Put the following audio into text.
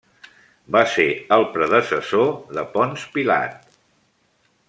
Va ser el predecessor de Ponç Pilat.